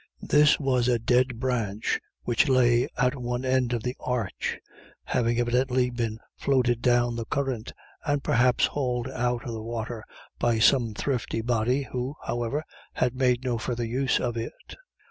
This was a dead branch, which lay at one end of the arch, having evidently been floated down the current, and perhaps hauled out of the water by some thrifty body, who, however, had made no further use of it.